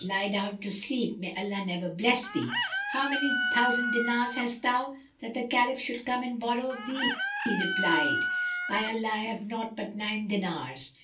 Lie down to sleep, may Allah never bless thee! How many thousand dinars hast thou, that the Caliph should come and borrow of thee?" He replied, "By Allah, I have naught but nine dinars."